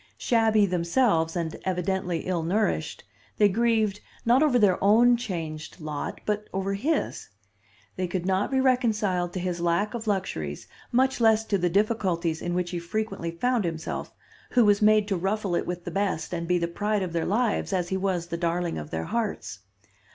Shabby themselves, and evidently ill nourished, they grieved not over their own changed lot, but over his. They could not be reconciled to his lack of luxuries, much less to the difficulties in which he frequently found himself, who was made to ruffle it with the best and be the pride of their lives as he was the darling of their hearts.